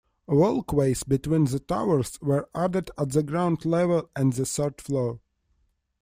Walkways between the towers were added at the ground level and the third floor.